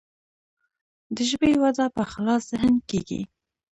د ژبې وده په خلاص ذهن کیږي.